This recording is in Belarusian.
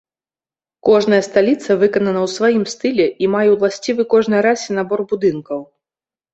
Кожная сталіца выканана ў сваім стылі і мае ўласцівы кожнай расе набор будынкаў.